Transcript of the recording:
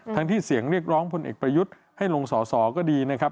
ที่เสียงเรียกร้องพลเอกประยุทธ์ให้ลงสอสอก็ดีนะครับ